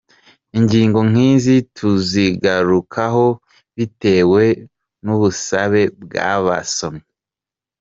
Ingingo nkizi tuzigarukaho bitewe n’ubusabe bw’abasomyi.